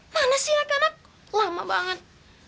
mana sih anak anak lama banget